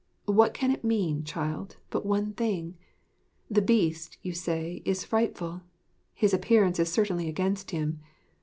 What can it mean, child, but one thing? The Beast, you say, is frightful. His appearance is certainly against him.